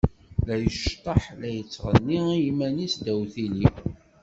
La iceṭṭeḥ, la yettɣenni i yiman-is ddaw tili.